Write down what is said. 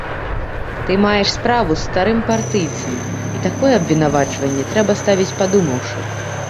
Ты маеш справу з старым партыйцам, і такое абвінавачванне трэба ставіць падумаўшы.